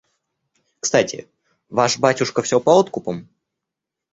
Кстати, ваш батюшка все по откупам?